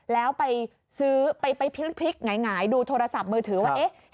แล้วไปซื้อไปพลิกหงายดูโทรศัพท์มือถือว่า